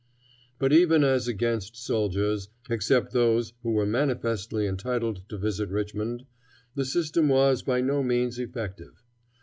But even as against soldiers, except those who were manifestly entitled to visit Richmond, the system was by no means effective.